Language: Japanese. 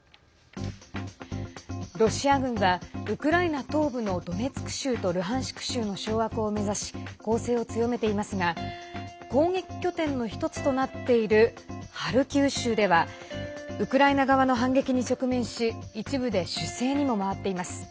ロシア軍は、ウクライナ東部のドネツク州とルハンシク州の掌握を目指し攻勢を強めていますが攻撃拠点の１つとなっているハルキウ州ではウクライナ側の反撃に直面し一部で守勢にも回っています。